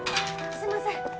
すいません。